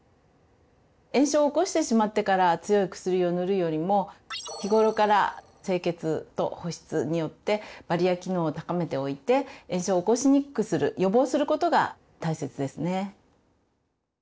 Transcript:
炎症を起こしてしまってから強い薬を塗るよりも日頃から清潔と保湿によってバリア機能を高めておいて炎症を起こしにくくする予防することが大切ですね。